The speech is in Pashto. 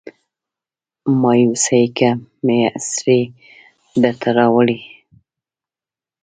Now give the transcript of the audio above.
مایوسۍ کې مې اسرې درته راوړي